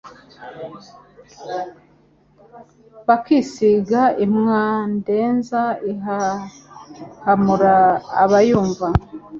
Bakisiga i Madwenza ihahamura abayumva